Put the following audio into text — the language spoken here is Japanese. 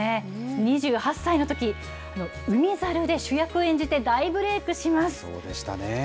２８歳のとき、海猿で主役を演じて大ブレークします。